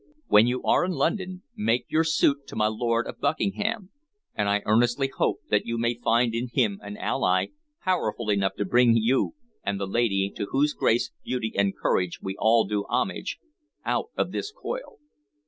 When you are in London, make your suit to my Lord of Buckingham, and I earnestly hope that you may find in him an ally powerful enough to bring you and the lady, to whose grace, beauty, and courage we all do homage, out of this coil."